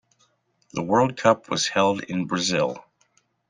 The world cup was held in Brazil.